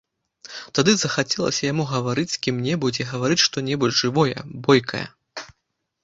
Тады захацелася яму гаварыць з кім-небудзь і гаварыць што-небудзь жывое, бойкае.